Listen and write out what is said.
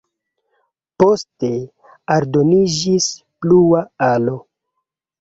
Poste aldoniĝis plua alo.